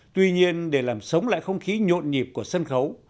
tuy nhiên để làm sống lại không khí nhộn nhịp của sân khấu